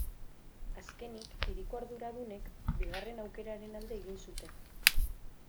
Azkenik, hiriko arduradunek bigarren aukeraren alde egin zuten.